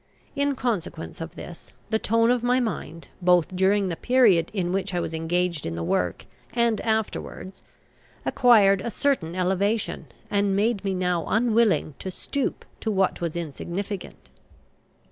In consequence of this, the tone of my mind, both during the period in which I was engaged in the work and afterwards, acquired a certain elevation, and made me now unwilling to stoop to what was insignificant.